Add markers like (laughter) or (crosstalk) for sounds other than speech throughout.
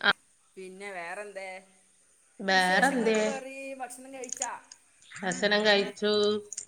ആ പിന്നെ വേറെന്തേ വിശേഷങ്ങളൊക്കെ ബേറെന്തയ് പറയ് ഭക്ഷണം കഴിച്ചാ ഭക്ഷണം കഴിച്ചു.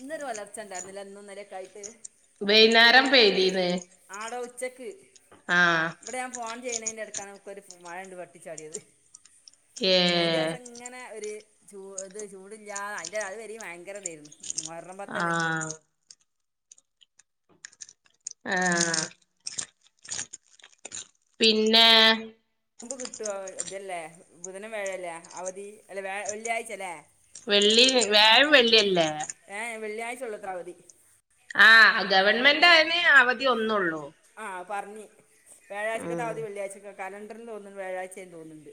ഇന്നരു ഒലർച്ച ഉണ്ടായിരുന്നല്ല. ഇന്നും ഇന്നലൊക്കെ ആയിട്ട് വൈന്നേരം വൈകുന്നേരം പെയ്തി ആ ഉച്ചക്ക് ആ ചെയണന്റെ അടുക്കാണ് നമുക്കൊരു മഴണ്ട് വട്ടിച്ചാടിയത് ഏ അതിന്റെസം ഇങ്ങനെ ഒരു ചൂ ഇത് ചൂട ഇല്ലാതെ അതി അത് വരി ഭയങ്കര ഇതായിരുന്നു മുഹറം ആ പത്തന്നെ ആ പിന്നെ പമ്പ് കിട്ടുവ ഇതല്ലേ ബുധനും വ്യഴല്ലേ അവധി അല്ല വ വെള്ളിയാഴ്ച അല്ലേ വെള്ളി വ്യാഴം വെള്ളിയല്ലേ (unintelligible) ത്രാഅവധി ആ ഗവൺമെന്റ് അതിന് അവധി ഒന്നുള്ളൂ ആ പറഞ് വ്യാഴാഴ്ചക്കതെ ഉം അവധി വെള്ളിയാഴ്ചക്കെ കലണ്ടറിന്ന് തോന്നുന്നുണ്ട് വ്യാഴ്ചേ തോന്നുണ്ട്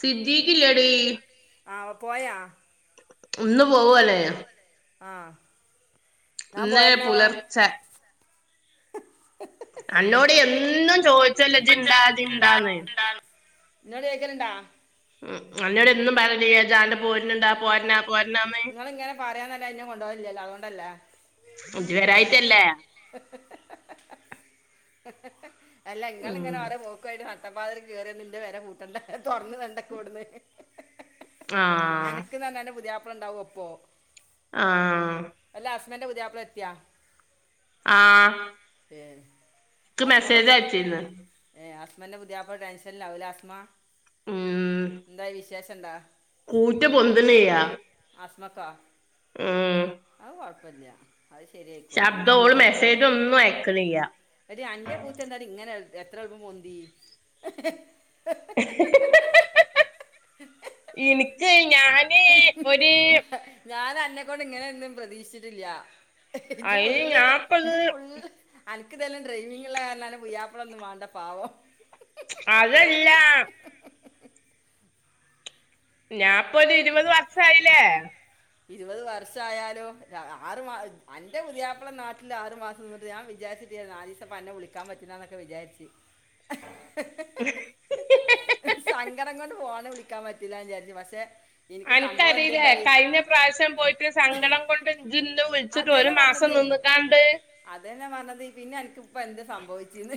സിദ്ധിിക്കില്ലടി ആ പോയാ ഒന്ന് പോവ ല്ലേ ആ ഇന്ന് പുലർചെ അന്നോട് എന്നും ചോയ് ച്ചല്ലോ ജ്ജ്ണ്ട ജ്ജ്ണ്ടാന്ന് ന്നോട് ചോയിക്കൽണ്ടോ? എന്നോട് എന്നും പറയൽണ്ട് ജ്ജ്ആണ്ട് പോര്ണ് ണ്ടോ? പോരന ങ്ങള് ഇങ്ങനെ പറയാന്നല്ല ഇ ന്നെ കൊണ്ടോല്ലല്ലോ അതുകൊണ്ടല്ലേ ജ്ജ് വരായിട്ടല്ലേ ഹ ഹ അല്ല ങ്ങള് ങ്ങനെ ഉം ഓരോ പോക്കുആയിട്ട് നട്ടപ്പത്തിരക്ക് കേയറിയ ന്റെ പെര പൂട്ടണ്ട തുറന്ന് വെണ്ടക്കോടന്ന് ആഹ് അനക്ക് ന്ന് നാന്റെ അന്റെ പുതീയാപ്ല ണ്ടാവും ഒപ്പൊ ആ അന്റെ പുതിയാപ്ല എത്യ ആ ഏ ആസ്മപ്പറത്തെ അയച്ചിന്ന് ഏ ആസ്മൻ്റെ പുതിയാപ്പള ടെൻഷനിലാവൂല്ലെ ആസ്മ ഉം എന്താ വിശേഷംണ്ടാ കൂറ്റ് പൊന്തനെയാ അസ്മക്കോ ഉം പ്പല്ല അത് ശരിയയിക്കോളു അന്റെ ശബ്ദം ഓള് പൂച്ച എത്ര മെസ്സേജ് ഒന്നും അയക്ക്ണിയ്യ എടീ അന്റെ പൂച്ച എന്താടീ ഇങ്ങനെ എത്ര എളുപ്പം പൊന്തി ഇന്ക്ക് ഞാനന്നെക്കൊണ്ട് ഇങ്ങനെന്നും പ്രതീക്ഷിച്ചിട്ടില്ല. ഇജ്ജ് അയിന് ഫുള്ള് ഞാപ്പത് ഇജ്ജ് ഫുള്ള് അനക്ക് തന്നെ ഡ്രൈവിങ്ങള്ള കാരണം പുയ്യാപ്പള ഒന്നും വേണ്ട പാവം അതല്ല ഞാപ്പൊരു ഇരുപത് വർഷയില്ലേ ഇരുപത് വർഷായാലും ആറ് മാ അന്റെ പുതിയാപ്പള നാട്ടില് ആറ് മാസം നിന്നിട്ട് ഞാൻ വിച നാലിസ പ്പന്നെ വിളിക്കാൻ പറ്റുല ന്നൊക്കെ വിചാരിച്ച് സങ്കടം കൊണ്ട് പോണ വിളിക്കാൻ പറ്റില്ല വിചാരിച്ച് പക്ഷെ എനിക്ക് സംഭവം അൻക്കറീലേ എന്തുണ്ടായി കഴിഞ്ഞ പ്രാവശ്യം പോയിട്ട് സങ്കടം കൊണ്ട് ഇജ്ജ് ഇന്നേ വിളിച്ചിട്ട് ഒരു അതന്നെ മാസം പറഞ്ഞത് നിന്ന്കാണ്ട് അതന്നെ പറഞ്ഞത് പിന്നെ അനക് ഇപ്പോ എന്ത് സംഭവിച്ച്ന്ന്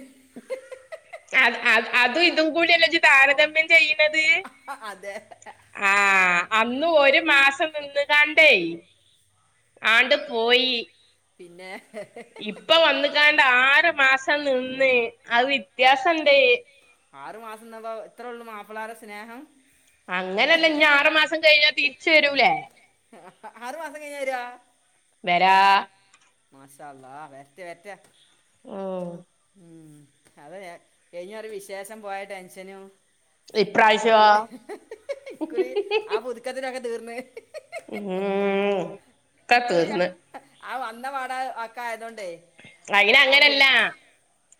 അത് അത് അതും ഇതും കൂടിയല്ലേ ഇജ്ജ് താരതമ്യം ചെയ്യുന്നത് അതെ ആ അന്ന് ഒരു മാസം നിന്ന കാണ്ടേ ആണ്ട് പോയി പിന്നെ ഇപ്പൊ വന്ന് കാണ്ട് ആറ് മാസം നിന്ന് അത് ആ വ്യത്യാസണ്ട് ആറു മാസം നിന്നപ്പോ ഇത്രോള്ളു മപ്പളാരെ സ്നേഹം അങ്ങനെല്ല ഇഞ് ആറു മാസം കഴിഞ്ഞാ തിരിച്ച് വരൂലേ ആറ് മാസം കഴിഞ്ഞ വരോ വരാ മാഷാഅല്ലാഹ്‌ വരട്ടെ ആഹ ഉം അത് കഴിഞ്ഞ ഒരു വിശേഷം പോയ ടെൻഷനും ഒക്കെ ഇപ്രാവശ്യോ കൂട്ടി ഇകുറി ആ പുതുക്കത്തിനൊക്കെ തീർന്ന ഏഹ്ഹ് ഇക്കുറിയ ആ വന്ന പാടെ അതൊക്കെ ആയതൊണ്ട് അയിന അങ്ങനല്ല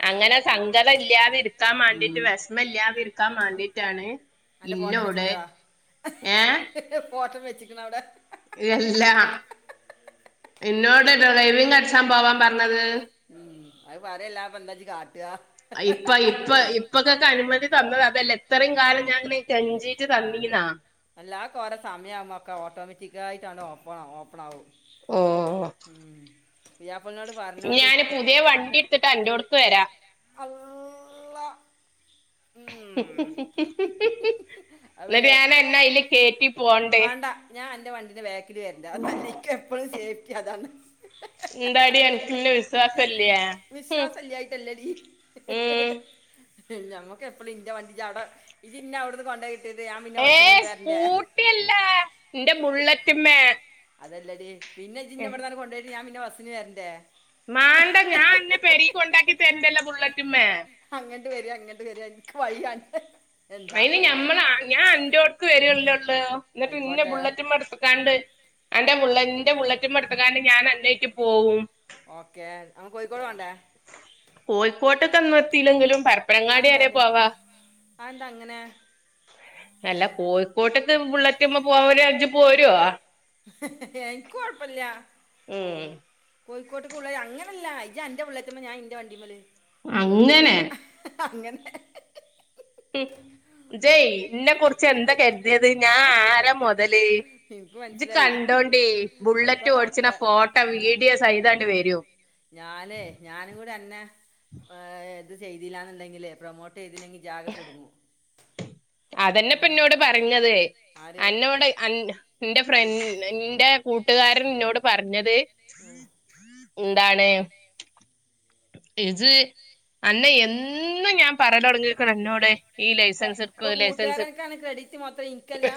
അങ്ങനെ സങ്കടം ഇല്ലാതെ ഇരുത്താൻ വേണ്ടിട്ട് വിഷമം ഇല്ലാതെ ഇരിക്കാൻ വേണ്ടിയിട്ടാണ് അന്റെ ഫോട്ടം വെച്ചിക്കണ അതാ ഫോ ട്ടം വെച്ചിക്കണ അവിടെ ഇല്ല എന്നോട് ഡ്രൈവിങ് പഠിക്കാൻ പോവാൻ പറഞ്ഞത് അത് പറയല്ലാതെ പ്പോ എന്താപ്പോ ഇജ് ഇപ്പ ഇപ്പ ഇപ്പൊക്കൊക്കെ അനുമതി തന്നത് അതല്ല എത്രയും കാലം ഞാങ്ങനെ കെഞ്ചീട്ട് തന്നിന്നാ അല്ലാ കുറെ സമയമാകുമൊക്കെ ഓട്ടോമാറ്റിക്കായിയിട്ടാണ് ഓപ്പൺ ഓപ്പൺ ആകും ഓ ഉം പു ഞാന് പുതിയ വണ്ടി എടുത്തിട്ട് അന്റോഡ്ക്ക് വരാ അള്ളാ.. ഹ്ഹ ഹ് (inaudible) അവല പോണ്ട് വേണ്ട ഞാൻ എന്റെ വണ്ടീന്റെ ബേങ്കിൽ വരണ്ട് അല്ലിക്ക എപ്പോഴും സേഫ്റ്റി അതാണ് എന്താടി അനക് ഇന്നേ വിശ്വാസല്യേ ഞമ്മക്ക് എപ്പഴും ഇന്റെ വണ്ടി അവിടെ ഇയ്യ് ഇന്നേ അവിടുന്ന് കൊണ്ട ഏഹ് സ്കൂട്ടി അല്ല ഇന്റെ ബുള്ളെറ്റ്മ്മേ അതല്ലടി പിന്നെ ഇജ് ഇന്നേ ഇവിടന്നെ കൊണ്ട് പോയിട്ട് ഞാൻ പിന്നെ ബസ്സിന് വരണ്ടേ മാണ്ട ഞാൻ അന്നെ പെരേക്ക് കൊണ്ടാക്കി തരണ്ടല്ലോ ബുള്ളറ്റ്മ്മേ അങ്ങട്ട് വരി അങ്ങട്ട് വരി എനിക്ക് വയ്യ അയിന് ഞമ്മൾ ഞാൻ അന്റോഡ്ക്ക് വരല്ലോള്ളൂ എന്നിട്ട് പിന്നെ ആയിക്കോട്ടെ ബുള്ളറ്റ് മടുത്തക്കാണ്ട് എന്റെ ബുള്ളറ്റ്മ്മൽ എന്റെ ബുള്ളറ്റ്മ്മൽ എടുത്ത്ക്കേണ്ട ഞാൻ എന്നേറ്റ് പോകും ഓക്കെ അമ്മക്ക് കോഴിക്കോട് പോണ്ടേ അവിടേക്കൊന്നും എത്തില്ലെങ്കിലും പരപ്പനങ്ങാടി വരെ പോവാ ആ എന്താ അങ്ങനെ അല്ല കോഴിക്കോട്ക്ക് ബുള്ളറ്റ്മ്മൽ പോവാൻ വിചാരിച്ച ഇജ് പോരോ ഏഹ്ഹ് എനിക്ക് കൊയപ്പം ഇല്ല ഉം കോഴിക്കോട്ടക്ക് പോണേ അങ്ങനല്ല ഇയ്യ് അന്റെ ബുള്ളറ്റ്മ്മൽ ഞാൻ ഇന്റെ വണ്ടിമ്മൽ അങ്ങനെ അങ്ങനെ ഹ്ഹ ഇജ് എന്നെ കുറിച്ച് എന്താ കരുതിയത് ഞാൻ ആരാ മൊതല് എനിക്ക് ഇജ് മനസ്സിലായി കണ്ടോണ്ടി ബുള്ളറ്റ് ആയിക്കോട്ടെ ഓടിക്കണ ഓക്കെ ഫോട്ടോ വീഡിയോ സഹിദം അങ്ങട്ട് വരും ഞാനെ ഞാനും കൂടി അന്നേ ഏ ത് ചെയ്തില്ലാന്നുണ്ടെങ്കില് പ്രൊമോട്ട് ചെയ്തില്ലെങ്കിൽ ഇജാകെ കുടുങ്ങും അതന്നെപ്പന്നോട് പറഞ്ഞത് ആര് എന്നോട് എന്റെ അൻ- ഫ്രണ്ട്റെ കൂട്ടുകാരൻ നിന്നോട് പറഞ്ഞത് ഉം. എന്താണ് ഇത് അന്നെ എന്ന ഞാൻ പറയല തുടങ്ങക്കണ എന്നോട് ഈ ഇപ്പൊ ലൈസൻസ് ഇപ്പൊ എടുക്കും ലൈസൻസ് കൂട്ടുകാരനക്കാണ് ക്രെഡിറ്റ് മൊത്തം ഇനിക്കല്ല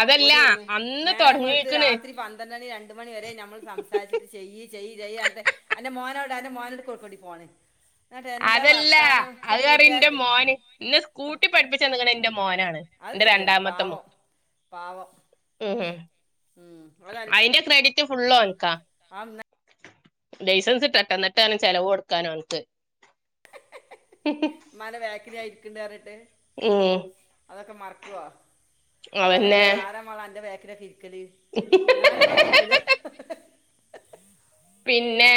അതല്ല പോടി അവിടുന്ന് അന്ന് നേരം വെളുത്ത് തൊടങ്ങിക്ക്ണ് രാത്രി പന്ത്രണ്ട് മണി രണ്ട മണി വരെെയ നമ്മൾ സംസാരിച്ചിട്ട് ചെയ്യ ചെയ് ചെയ്യ് അൻ്റെ മോനോട് എ്റെ മോനോട് കൊടുക്കടി ഫോണ് എന്നിട്ട് എന്താ അതല്ല വർത്താനം ഇപ്പൊ അത് പറി ഇൻറെ കൂട്ടുകാരത്തി മോന് ഇന്ന സ്കൂട്ടി പഠിപ്പിച്ച നിങ്ങണ ഇന്റെ മോനാണ് അത് എന്റെ ശരിയാണ് രണ്ടാമത്തെ മു പാവം പാവം ഉ ഉം അതി അതിന്റ ക്രഡിറ്റ് ഫുള്ള് ഓള്ക്കാ ആം (unintelligible) ലൈസൻസ് ഇട്ടട്ടെന്നിട്ടാണ് ചെിലവ് കൊടുക്കാനോ അവനക്ക് ഇമ്മനെ ബാക്കിലാണ്ഇരിക്കണത് ന്നു പറഞ്ഞിട്ട് ഏ ഓനൊക്കെ മറക്കുവാ ഓനല്ലാതെ ആരാന്റെ ബേക്കിലൊക്കെ ഞാനി വതിരിക്കൂല പിന്നെ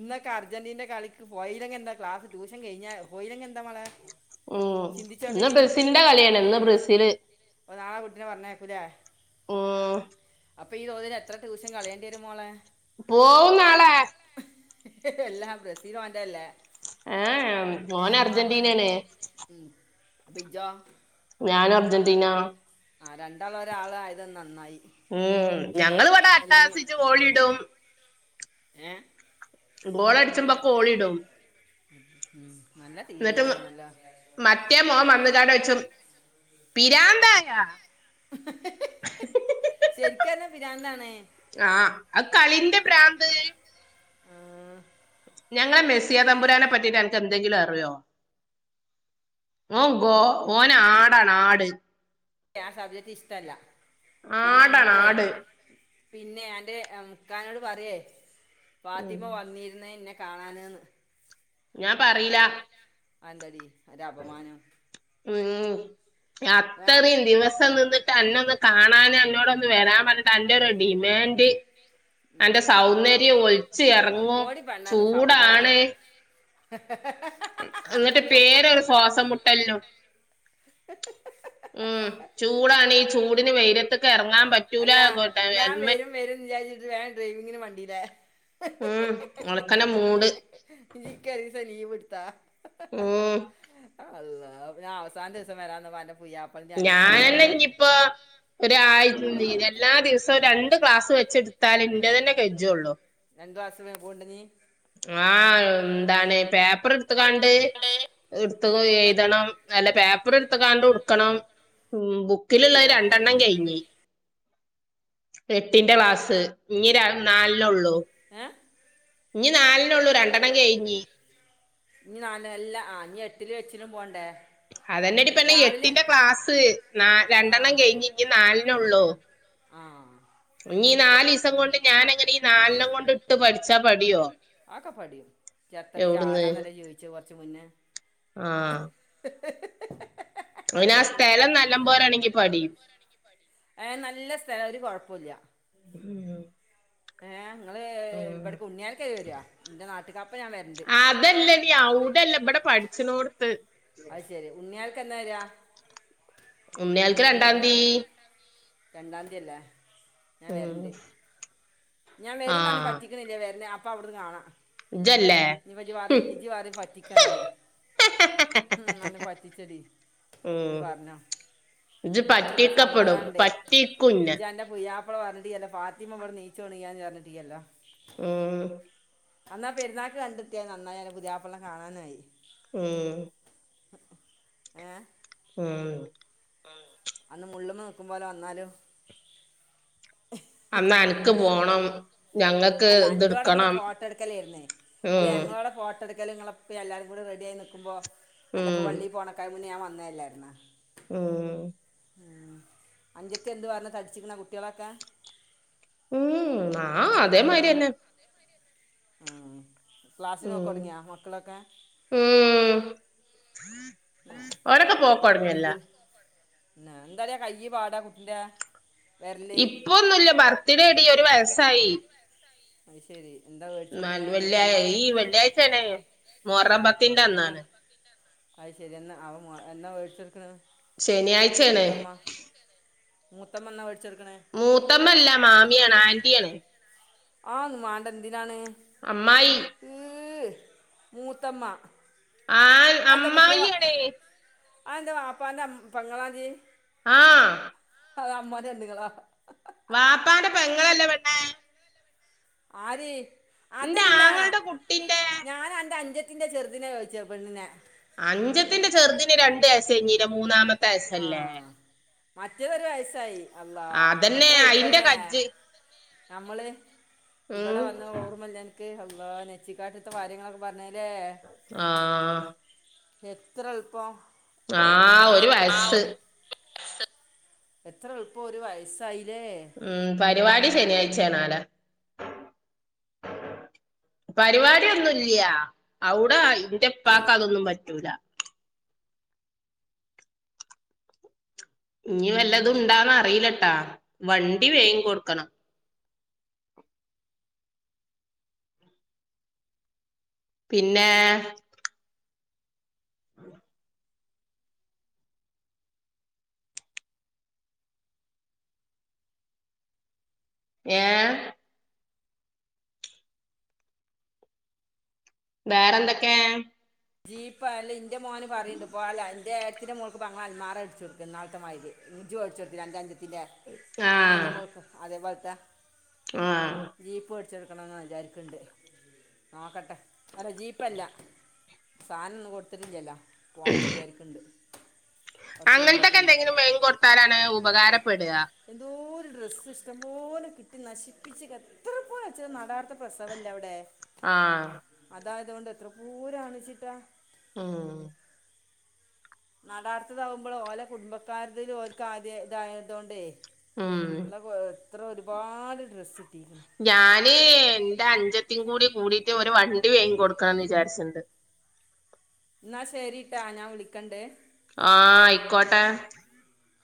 ഇന്നൊെ അർജന്റീന്റെ കളിക്ക് പോയില്ലെങ്ക എന്താ ക്ലാസ് ട്യഷൻ കഴിഞ്ഞാ പോയില്ലെങ്കിൽ എന്താ മളെ ഉം ഇന്ന് ബ്രസീലിന്റെ കളിയാണ് ഇന്ന് ബ്രസീല് ഓ നാളെ കുട്ടിനെ പറഞ്ഞേക്കൂലേ ഉം അപ്പം ഈ തോതിൽ എത്ര ദിവസം കളേണ്ടി വരും മോളെ പോവും നാളെ എല്ലാം ബ്രസീൽ ഒന്റെതാലേ ഏ മോന അർജന്റീനാണ് ഇജ്ജോ ഞൻ അർജന്റ്റീന ആ രണ്ടാളും ഒരാള ആയത് നന്നായി ഉം ഞങ്ങൾഇവിടെ അല്ലെങ്കിൽ അട്ടാസിച്ച് കോഴിയിടും ഏ ഗോളടിച്ച്മ്പോ ഓളിടും ഉം നല്ല എന്നിട്ട് തീരുമാനമാണല്ലോ മറ്റേ മോൻ വന്നിക്കാണ്ട് ചോയിച്ചും പിരാന്തായ ശരിക്കല്ലാ പിരാന്ത്‌ണേ ആ കളിന്റെ ഭ്രാന്ത് ആ ഞങ്ങളെ മെസ്സിയ തമ്പുരനെ പറ്റിട്ട് എനക്ക് എന്തെങ്കിലും അറിയോ ഓ ഗ ഓനെ ആടാണ് ആട് ആ സബ്ജക്റ്റ് ഇഷ്ടല്ല പിന്നെ ആടാണ് നമ്മുക്ക് ആട് പിന്നെ എൻ്റെ ഇക്കാനോട് പറയേ ഉം ഫാത്തിമ്മ വന്നിരുന്ന എന്നെ കാണാനെന്ന് ഞാൻ പറയില ആ ന്തടി ഒരു അപമാനം ഉ അത്രയും ദിവസം നിന്നിട്ട് എന്നൊന്ന് കാണാനോ അന്നോടൊന്ന് വരാൻ പറഞ്ഞിട്ട് അന്റെറ ഒരു ഡിമാൻഡ് ഉം അന്റെ സൗന്ദര്യം ഒലിച്ചു ആ ഇറങ്ങും പോടി പെണ്ണാണ് ചൂടാണ് സൗന്ദര്യം എന്നിട്ട് പേരു ഒര് ശ്വാസ മുട്ടലോ (unintelligible) ഉ ചൂടാണ് ഈ ചൂടിന് വെയില് ത്തൊക്കെ ഇറങ്ങാൻ അല്ല ഞാൻ വരും വരും വിചാരിച്ചിട്ട് വേഗം ഡ്രൈവിങ്ങിന് വണ്ടില്ലേ ഉം ഒലക്കന്റെ മൂട് ഇജ്ജ് യ്ക്ക് ഒരീസം ലീവ് എടുത്തോ ഉം അള്ളാ ഞാൻ അവസാനത്തെ ദിവസം വരാന്ന് അന്റെ മ്മ പുയ്യാപ്പളന്റെ ഞാനന്നെ ഞ്ഞിയിപ്പോഒരാഴ് നിരല്ലാ ദിവസം രണ്ട് ഗ്ലാസ് വെച്ചെടുത്താലെ ന്റെ തന്നെ കജ്യള്ളു ഗാസ് മേ പോണ്ട നീ ആഹ എന്താണ് പേപ്പറ്ട് ത്ത്ക്കാണ്ട് ഇട്ത്ത്ട എഴുതണം നല്ല പേപ്പറ്ട്ത്ത്ക്കാണ്ടുട്ക്കണം ഉ ബുക്കിലുള്ള പറ്റുവോ രണ്ടെണ്ണം കഴിഞ്ഞി എട്ടിന്റെ ക്ലാസ് ഇഞ്ഞ് നാലെണ്ണള്ളു ഏ ഇനി നാലണ്ണള്ളു രണ്ടെണ്ണം കഴിഞ്ഞ് ഇനി നാലണ്ണം അല്ല എട്ടിലും എച്ചിനും പോണ്ടേ അതലെടിപ്പണെ രാവിലെ എട്ടിന്റെ ക്ലാസ് ന രണ്ടെണ്ണം കഴിഞ്ഞ് ഞ്ഞ് നാലണ്ണ ഉള്ളു ആഹ ഇനി നാലിസം കൊണ്ട് ഞാനെ ങ്ങനെ നാലണ്ണം കൊണ്ട് ഇട്ട് പഠിച്ചാ പടിയോ ആക്കെ പടിയും എത്രയും ചാരാന്നല്ല ചോയിച്ചേ കൊറച്ച് മുന്നേ ആഹ അയിനാ സ്ഥലം നല്ല പോരാണെങ്കി പ ടീം ആഏ നല്ല സ്ഥലം ഒരു കൊഴപ്പുല്ല ഉം ഏ ങ്ങള് ഉം ഇവിട ഉണ്യാല ക വര്യാ എന്റെ നാട്ട് അതല്ലേ ടി അവ്ടെല്ല ഇവിടെ പഠിച്നോടുത്ത് അത് ശെരി ഉണ്ണിയൽക്ക് എന്നാ വര്യാ ഉണിയാൾക്ക് രണ്ടാം തീ രണ്ടതിയല്ലേ ഞാൻ ഉം. വരണ്ട് ഞാൻ ആ വരും ന്ന് പറ്റിക് ണില്ല വരുന്ന അപ്പ അവിടുന്ന് കാണാം ഇജല്ലേ ന് പ്പജ് ഹും. പറിംജ് പ റിം പറ്റിക്കണ്ന്ന് ഉം അനെപറ്റിച്ചെടി നീ പറഞ്ഞോ ഇത് അതോണ്ടൊക്കെ ഒരു പറ്റക്കപ്പെടും പറ്റീക്കുന്നെ മാപ്പള പറഞ്ഞിട്ടി അന്റെ ഫാത്തിമനിച്ചോ ന്നില് നീച്ചുണിഞാന്ന് പറഞ്ഞിട്ടീല്ലോ ഉം. എന്നാ പെരുന്നാക്ക് കണ്ടെത്തിയ നന്നായിഅ ന്റെപുതിയാപ്ല കാണാനയി ഉം ഏ ഉം അന്ന് മുള്ളുമ നോക്കുമ പോോലെ വന്നാലു അന്നാ അനിക്ക് പോണം ഞങ്ങൾക്ക് അല്ല അന്റോടെ പിന്നെ ഇത്ടുക്കണം ഫോട്ടോ എടുക്കലായിരുന്നേ അല്ല ഞങ്ങളോടെ ഫോട്ട എടുക്ക എലങ്ങളപ്പോ എല്ലാരും കൂടെ റെഡി ക്കല്ല ആയി നക്കുമ്പോ അന്റെ ഇപ്പ ഉം. വള്ളിൽ പോണക്കായുമ മുന്ന ഞാൻ വന്താണെ ഞാൻ വന്നതല്ലായിുന്ന ഉം ഉ അഞ്ചത്തെ എന്ത് പറ തടിച്ചിക്കണ കുട്ടികളൊക്കെ ഉം ആ അതേമാതിരി തന്നെ ക്ലാസ്സി നോക്ക ഉം. തുടങ്ങിയാ മക്കളൊക്കെ ഉം. ഏഹ് ഓരൊക്കെ പോക്കോടമയല്ല എന്താ ടീ കയ്യ് പാടാ കുട്ടിന്റെ വിരല് ഇപ്പൊന്നുല്ല ബർത്ത്ഡേ എടി ഒരു വയസ്സായി അ ശരി എന്താ എന്നാ മേടിച്ചെടുക്കണ് വെള്ളിയ മൂത്തമ്മ ഈ വെള്ളിയാഴ്ചണ മോറമ്പത്തിന്റെ എന്നാ അന്നാണ് അത് ശരി എന്നാ അവ എന്നാ മേഴിച്ചടുക്കണ ശനിയാഴ്ചയാണ് മൂത്തമ്മ മ തമന്ന വ മൂത്ത എവിട്ന്നാ മൂത്തമ്മല്ല മാമിയാണ് ആന്റിയാണ് ആഹ ന മാണ്ട എന്തിനാണ് അമ്മായി ഏ മൂത്തമ്മ ആ അമ്മായിയടെ ആ എന്റെ വപ്പാന്റെ പംഗളാജീ ആ അത അമ്മാന്റെ ബന്ധുക്കളട്ടോ വാപ്പാടെ പെങ്ങളല്ലേ പെണ്ണെ ആര് അതല്ല ആങ്ങളുടെ കുട്ടിന്റെ ഞാൻ എന്റെ അഞ്ച വീന്റെ ചെറുതിനെ വിളിച്ച പെണ്ണിനെ അഞ്ചത്തിന്റെ ചെറുതിന് രണ്ടു വയസ്സ കഴഞ്ഞീര മൂന്നാമത്തെ വയസ്സല്ലേ മറ്റേതു ഒരു വയസായി അള്ളാ അതന്നെ എത്ര അയിന്റെ ഉളുപ്പലേ കജ്ജ് നമ്മൾ ഉം ഇവിടെ വന്ന് ഓർമ്മല്ല എനിക്ക് നെച്ചിക്കാട്ടത്തെ കാര്യങ്ങളൊക്കെ പറ ആ എത്ര എളുപ്പം ആ ഒരു വയസ്സ് എത്ര എളുപ്പം ഒരു വയസ്സായി ഉം പരിപാടി ശനിയാഴ്ചയാനവിടെ പരിപാടി ഓന്നുംല്യ അവിടെ ആയി എന്റെ ഉപ്പാക്ക് അതൊന്നും പറ്റൂല ഇനി വല്ലതു ഉണ്ടാന്ന് അറിയിലട്ടാ വണ്ടി വേകം കൊടുക്കണം പിന്നെ ഏ വേറെന്തൊക്കെ ജീപ്പ് അല്ലെ എന്റെ മോന് പറണ്ട് ഇപ്പോ അല്ല എന്റെ എടാത്തിന്റെ മോൾക്ക് പ അന്മാറ അടിച്ച കൊടുക്കു ഇന്നാളാത്തെ മതിരി ഇഞ് ജു ഒഴിച്ചുടുത്തി അന്റെ അഞ്ചത്തിന്റെ ആങ്ങളുടെ മക്ക് അതേ പോലത്തെ ആ മേടിച്ചു കൊടുക്കണോന് വിചാരിക്കണ്ട് നോക്കട്ടെ അല്ല ജീപ്പല്ല സാധനം ഒന്നും കൊടുത്തിട്ടില്ലലാ പോണംന്ന് വിചാരിക്കണ്ട് അങ്ങനത്തൊക്കെ എന്തെങ്കിലും മെൻങ്ങി കൊടുത്താലാണ് ഉപകാരപ്പെടുക എന്തോ ഡ്രസ്സ് ഇഷ്ടംപോലെ കിട്ടി നശിപ്പിച്ച് എത്ര പോലെ നടാത്ത പ്രസവല്ല അവിടെ ആഹ് അതായതുകൊണ്ട് എത്ര പൂരംണചിട്ടാ മു നടാർത്തതാകുമ്പോൾ ഓലെ കുടുംബക്കാരുതി ഓക്ക് ആദ്യം ഇതായതുകൊണ്ടേ മു ഇത്ര ഒരുപാട് ഡ്രസ്സ് കിട്ടിയിരിക്കുന്നു ഞാനേ എന്റെ അഞ്ചത്തി കൂടി കൂടിട്ട് ഒരു വണ്ടി വേങ്ങി കൊടുക്കണംന്ന് വിചാരിച്ചിണ്ട് എന്നാ ശരിട്ടാ ഞാൻ വിളിക്കണ്ടേ ആ ആയിക്കോട്ടെ